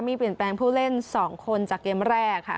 มีเปลี่ยนแปลงผู้เล่น๒คนจากเกมแรกค่ะ